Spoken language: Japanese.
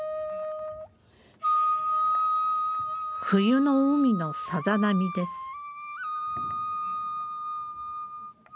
冬の海のさざ波です。